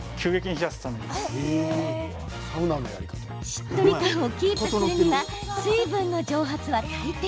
しっとり感をキープするには水分の蒸発は大敵。